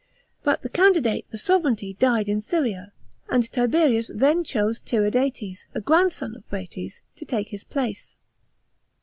But the candidate for sovranty died in Syria, and Tiberius then chose Tiridates, a grandson of Phraates, to take his place.